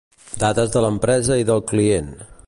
Dades de l'empresa i del client.